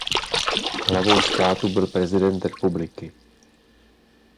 Hlavou státu byl prezident republiky.